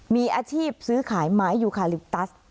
มีอาชีพซื้อขายไม้ยูคาลิปตัส